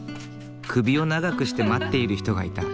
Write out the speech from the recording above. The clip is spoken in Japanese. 首を長くして待っている人がいた。